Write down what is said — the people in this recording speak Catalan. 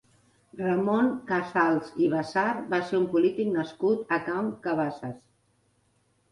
Ramon Casals i Basart va ser un polític nascut a Can Cabasses.